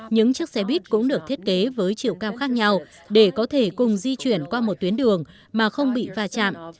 những chiếc xe buýt cũng được thiết kế với chiều cao khác nhau để có thể cùng di chuyển qua một tuyến đường mà không bị va chạm